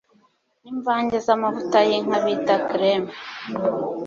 nimvange zamavuta yinka bita kreme